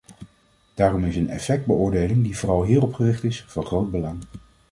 Daarom is een effectbeoordeling die vooral hierop gericht is, van groot belang.